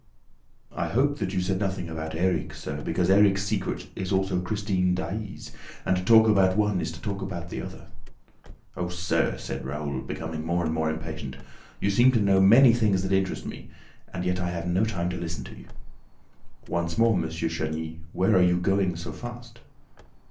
"I hope that you said nothing about Erik, sir, because Erik's secret is also Christine Daae's and to talk about one is to talk about the other!" "Oh, sir," said Raoul, becoming more and more impatient, "you seem to know about many things that interest me; and yet I have no time to listen to you!" "Once more, M. de Chagny, where are you going so fast?"